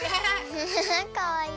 フフフかわいい。